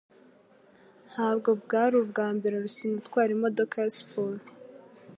Ntabwo bwari ubwa mbere Rusine atwara imodoka ya siporo